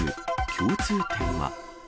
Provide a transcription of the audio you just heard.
共通点は？